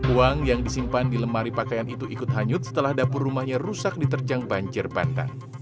uang yang disimpan di lemari pakaian itu ikut hanyut setelah dapur rumahnya rusak diterjang banjir bandang